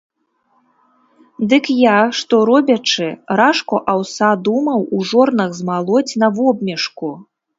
Дык я, што робячы, ражку аўса думаў у жорнах змалоць на вобмешку.